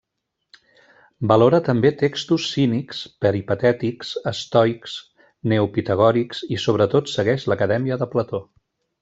Valora també textos cínics, peripatètics, estoics, neopitagòrics i sobretot segueix l'Acadèmia de Plató.